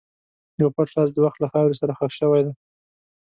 یو پټ راز د وخت له خاورې سره ښخ شوی دی.